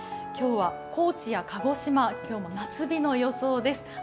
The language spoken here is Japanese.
今日は高知や鹿児島、今日も夏日の予想です。